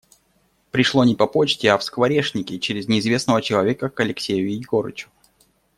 Пришло не по почте, а в Скворешники через неизвестного человека к Алексею Егорычу.